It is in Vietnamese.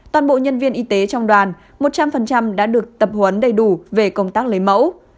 toàn bộ nhân viên y tế trong đoàn một trăm linh đã được tập huấn đầy đủ về công tác lấy mẫu